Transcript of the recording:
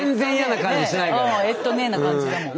えっとねな感じだもん。